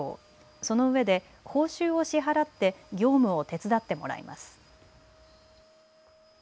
その上で、報酬を支払って業務を手伝ってもらいます。